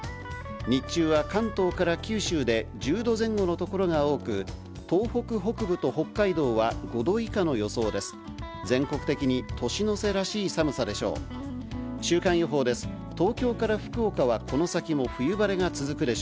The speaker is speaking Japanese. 日中は関東から九州で１０度前後の所が多く、東北北部と北海道は、５度以下の予想です。